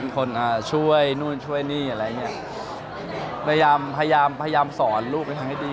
เป็นคนอ่าช่วยนู่นช่วยนี่อะไรเนี้ยพยายามพยายามพยายามสอนลูกกันให้ดี